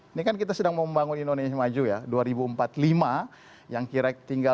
ini kan kita sedang membangun indonesia maju ya